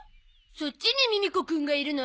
そっちにミミ子くんがいるの？